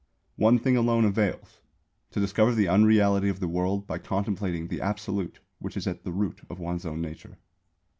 One thing alone avails to discover the unreality of the World by contemplating the Absolute which is at the root of one's own nature.